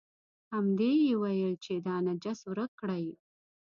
همدې یې ویل چې دا نجس ورک کړئ.